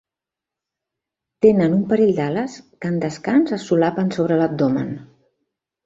Tenen un parell d'ales, que en descans es solapen sobre l'abdomen.